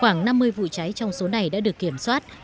khoảng năm mươi vụ cháy trong số này đã được kiểm soát